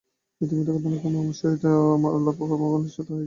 ইতিমধ্যে ঘটনাক্রমে তোমার স্বামীর সহিত আমার আলাপ এবং ক্রমে ঘনিষ্ঠতাও হইয়াছে।